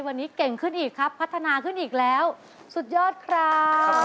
วันนี้เก่งขึ้นอีกครับพัฒนาขึ้นอีกแล้วสุดยอดครับ